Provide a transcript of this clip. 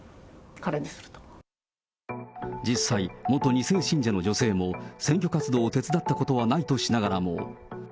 実際、元２世信者の女性も選挙活動を手伝ったことはないとしながらも。